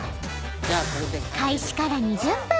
［開始から２０分。